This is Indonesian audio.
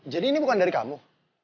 jadi ini bukan dari kamu